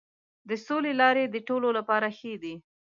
د سولې لارې د ټولو لپاره ښې دي.